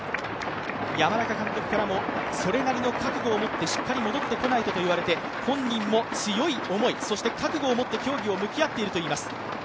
山中監督からも、それなりの覚悟を持ってしっかり戻ってこないとと言われて、本人も強い思い、覚悟を持って競技に向き合っているといいます。